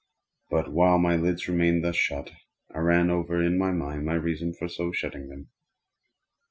But while my lids remained thus shut, I ran over in my mind my reason for so shutting them.